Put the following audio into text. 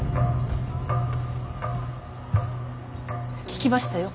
聞きましたよ